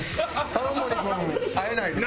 玉森君会えないです。